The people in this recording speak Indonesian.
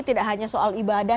tidak hanya soal ibadah